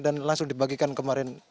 dan langsung dibagikan kemarin